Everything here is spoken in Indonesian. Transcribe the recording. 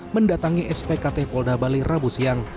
mendatangi spkt polda bali rabu siang